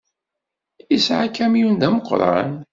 Yesɛa akamyun d ameqran.